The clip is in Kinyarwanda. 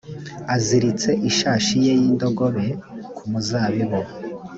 aziritse ishashi ye y indogobe ku muzabibu